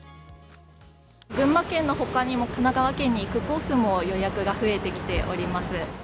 群馬県のほかにも神奈川県に行くコースも予約が増えてきております。